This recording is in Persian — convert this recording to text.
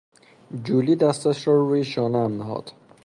جولی دستش را روی شانهام نهاد.